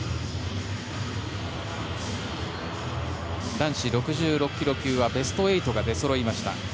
男子６６ｋｇ級はベスト８が出そろいました。